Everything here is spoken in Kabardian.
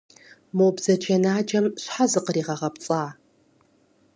Мо бзаджэнаджэм щхьэ зыкъригъэгъэпцӏа?